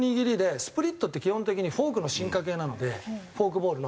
スプリットって基本的にフォークの進化系なのでフォークボールの。